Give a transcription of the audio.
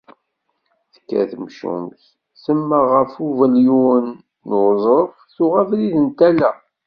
Tekker temcumt, temmeɣ ɣef ubelyun n uẓref, tuɣ abrid n tala.